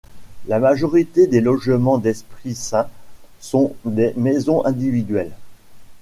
La majorité des logements d'Esprit-Saint sont des maisons individuelles.